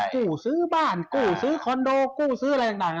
กู้ซื้อบ้านกู้ซื้อคอนโดกู้ซื้ออะไรต่าง